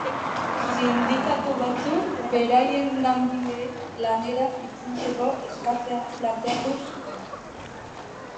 Sindikatu batzuk beraien langileei lanera itzultzeko eskatzea planteatu zuten.